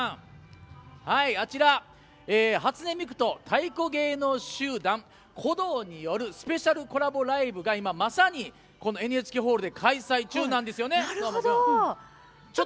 初音ミクと太鼓芸能集団・鼓童によるスペシャルコラボライブが今まさにＮＨＫホールで開催中なんです。